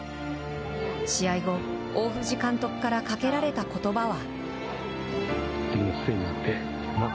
試合後、大藤監督からかけられた言葉は。